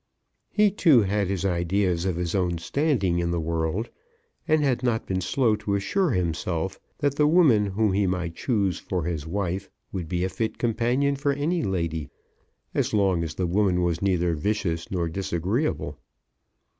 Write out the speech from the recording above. He, too, had his ideas of his own standing in the world, and had not been slow to assure himself that the woman whom he might choose for his wife would be a fit companion for any lady, as long as the woman was neither vicious nor disagreeable.